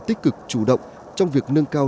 tích cực chủ động trong việc nâng cao